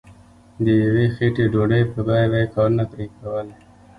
د یوې خیټې ډوډۍ په بیه به یې کارونه پرې کول.